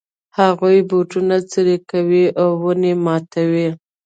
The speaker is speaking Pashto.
هغوی بوټي څیري کوي او ونې ماتوي